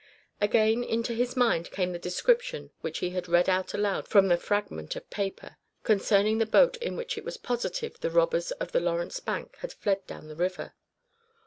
Again into his mind came the description which he had read out aloud from the fragment of paper, concerning the boat in which it was positive the robbers of the Lawrence bank had fled down the river.